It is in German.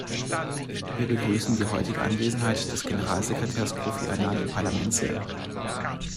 Wir begrüßen die heutige Anwesenheit des Generalsekretärs Kofi Annan im Parlament sehr.